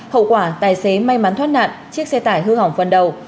hậu quả tài xế may mắn thoát nạn chiếc xe tải hư hỏng phần đầu